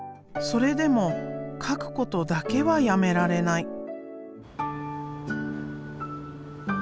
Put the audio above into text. それでも描くことだけはやめられない。